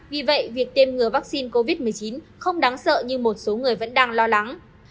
vì vậy việc tiêm ngừa vaccine covid một mươi chín không đáng sợ như một số người vẫn đang lo lắng